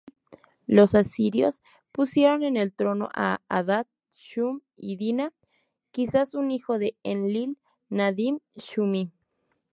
Los asirios pusieron en el trono a Adad-shum-iddina, quizás un hijo de Enlil-nadin-shumi.